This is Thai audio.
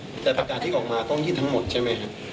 แต่ประการที่ออกมาต้องยื่นทั้งหมดใช่ไหมครับ